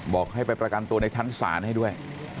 บอกให้ไปประกันตัวในชั้นศาลให้ด้วย